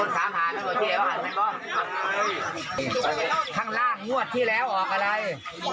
ข้างล่างงวดที่แล้วออกอะไร